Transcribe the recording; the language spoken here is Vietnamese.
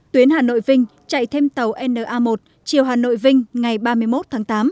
tuyến hà nội vinh chạy thêm tàu na một chiều hà nội vinh ngày ba mươi một tháng tám